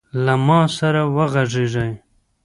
له ما سره وغږیږﺉ .